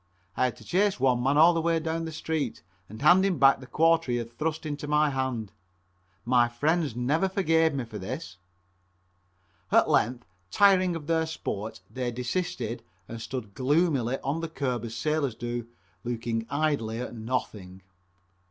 I had to chase one man all the way down the street and hand him back the quarter he had thrust into my hand. My friends never forgave me for this. At length, tiring of their sport, they desisted and stood gloomily on the curb as sailors do, looking idly at nothing.